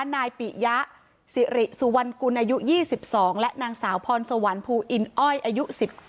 นายปิยะสิริสุวรรณกุลอายุ๒๒และนางสาวพรสวรรค์ภูอินอ้อยอายุ๑๙